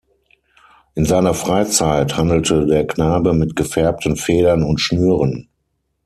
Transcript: In seiner Freizeit handelte der Knabe mit gefärbten Federn und Schnüren.